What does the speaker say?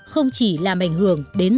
không chỉ làm ảnh hưởng đến